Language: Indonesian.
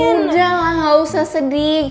udah lah gausah sedih